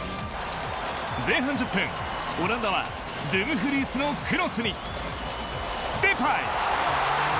前半１０分オランダはドゥムフリースのクロスにデパイ。